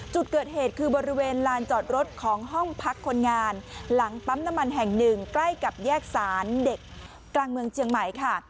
จุดเกิดเหตุคือบริเวณลานจอดรถของห้องพักคนงานหลังปั๊มน้ำมันแห่งหนึ่งใกล้กับแยกสารเด็กกลางเมืองเจียงใหม่ค่ะ